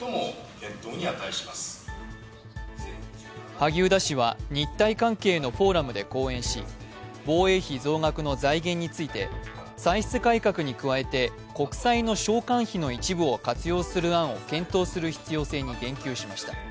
萩生田氏は日台関係のフォーラムで講演し防衛費増額の財源について歳出改革に加えて国債の償還費の一部を活用する案を検討する必要性に言及しました。